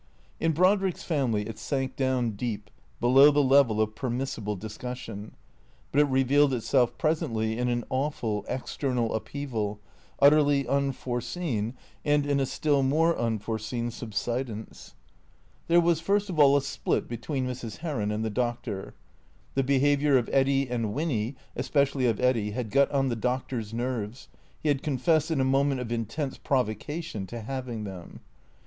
In Brodrick's family it sank down deep, below the level of permissible discussion. But it revealed itself presently in an aw ful external upheaval, utterly unforeseen, and in a still more unforeseen subsidence. 494 Jane stood in thr doorway, quietly regardini; tlieiu THE CREATOKS 497 There was first of all a split between Mrs. Heron and the Doc tor. The behaviour of Eddy and Winny, especially of Eddy, had got on the Doctor's nerves (he had confessed, in a moment of intense provocation, to having them).